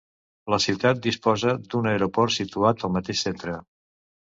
La ciutat disposa d'un aeroport situat al mateix centre.